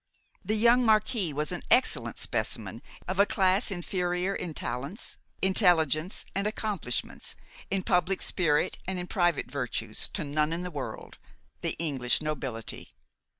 The young marquis was an excellent specimen of a class inferior in talents, intelligence, and accomplishments, in public spirit and in private virtues, to none in the world, the English nobility.